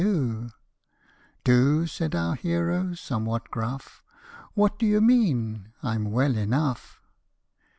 " Do !" said our hero, somewhat gruff; " What do you mean ? I'm well enough."